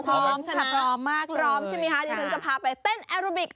พร้อมค่ะพร้อมมากเลยพร้อมใช่ไหมคะอยากถึงจะพาไปเต้นแอโรบิค